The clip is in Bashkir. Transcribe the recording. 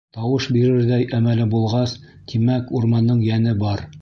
Тауыш бирерҙәй әмәле булғас, тимәк, урмандың йәне бар?!